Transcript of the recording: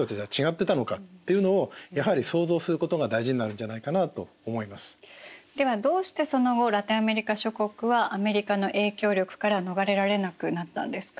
ですから私たちがではどうしてその後ラテンアメリカ諸国はアメリカの影響力から逃れられなくなったんですか？